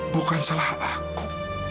bukan salah aku